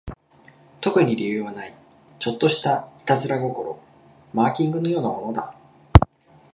特に理由はない、ちょっとした悪戯心、マーキングのようなものだ